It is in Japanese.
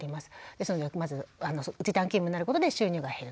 ですのでまず時短勤務になることで収入が減る。